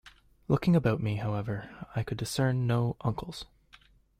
Looking about me, however, I could discern no uncles.